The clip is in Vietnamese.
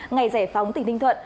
ngày giải phóng tỉnh ninh thuận